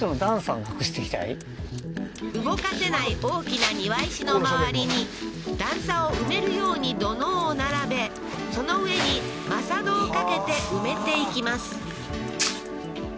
動かせない大きな庭石の周りに段差を埋めるように土のうを並べその上に真砂土をかけて埋めていきます